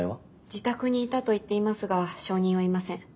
自宅にいたと言っていますが証人はいません。